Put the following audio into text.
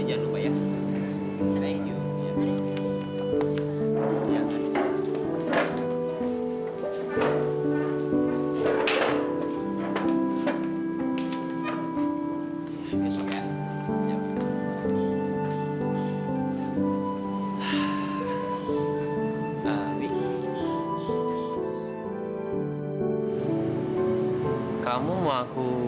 jujur tentang apa